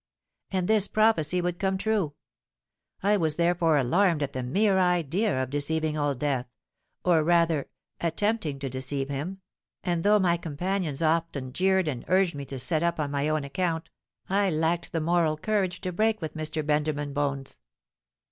'—And this prophecy would come true. I was therefore alarmed at the mere idea of deceiving Old Death—or rather, attempting to deceive him; and, though my companions often jeered me and urged me to 'set up on my own account,' I lacked the moral courage to break with Mr. Benjamin Bones.